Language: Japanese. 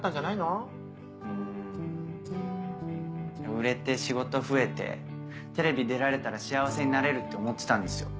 売れて仕事増えてテレビ出られたら幸せになれるって思ってたんですよ。